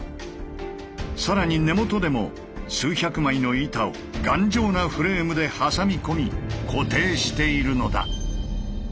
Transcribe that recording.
更に根元でも数百枚の板を頑丈なフレームで挟み込み固定しているのだ。